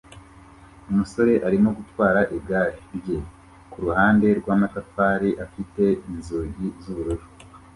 Umusore arimo gutwara igare rye kuruhande rwamatafari afite inzugi zubururu